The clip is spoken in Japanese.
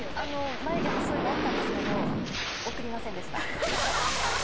眉毛細いのあったんですけど、送りませんでした。